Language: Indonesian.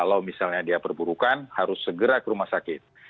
kalau misalnya dia perburukan harus segera ke rumah sakit